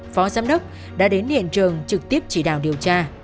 phó giám đốc đã đến hiện trường trực tiếp chỉ đạo điều tra